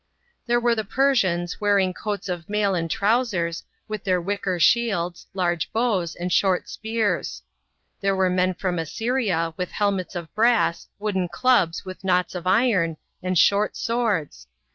fcO. PASSAGE* OP THE W&SIAN8. 93, There were the Persians, wearing coats of mail Ami trousers, with their wicker shields, large bows, and short spears. There were men from Assyria with helmets of brass, wooden clubs with knots of iron, and short swords.